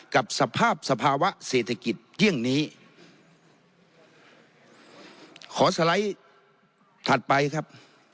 กับสภาพสภาวะเศรษฐกิจเยี่ยงนี้ขอสไลด์ถัดไปครับ